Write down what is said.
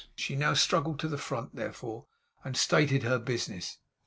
She now struggled to the front, therefore, and stated her business.